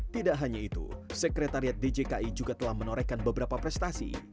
tidak hanya itu sekretariat djki juga telah menorehkan beberapa prestasi